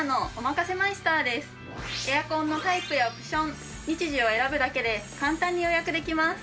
エアコンのタイプやオプション日時を選ぶだけで簡単に予約できます。